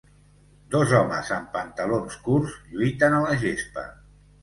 Dos homes en pantalons curts lluiten a la gespa.